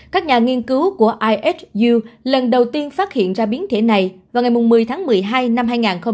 các nhà nghiên cứu của ihu lần đầu tiên phát hiện ra biến thể này vào ngày một mươi tháng một mươi hai năm hai nghìn hai mươi một